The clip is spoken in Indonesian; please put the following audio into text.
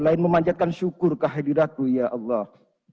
selain memanjatkan syukur kehadiratku ya allah